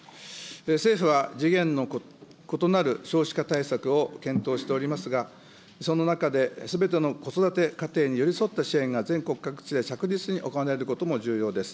政府は次元の異なる少子化対策を検討しておりますが、その中ですべての子育て家庭に寄り添った支援が全国各地で着実に行われることも重要です。